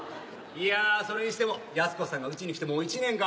いやそれにしても靖子さんがうちに来てもう１年か。